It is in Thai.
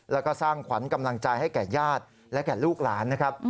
แล้วก็สร้างขวัญกำลังใจให้แก่ญาติและแก่ลูกหลานนะครับ